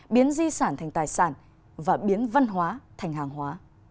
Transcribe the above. biến di sản thành tài sản và biến văn hóa thành hàng hóa